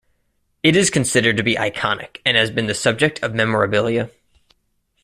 It is considered to be iconic, and has been the subject of memorabilia.